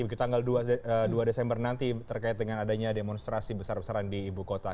begitu tanggal dua desember nanti terkait dengan adanya demonstrasi besar besaran di ibu kota